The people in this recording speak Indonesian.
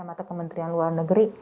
kata kementerian luar negeri